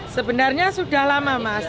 sebenarnya sudah lama mas